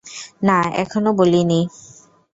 না, এখনও বলিনি।